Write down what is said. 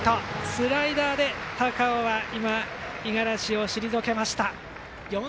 スライダーで高尾は五十嵐を退けました。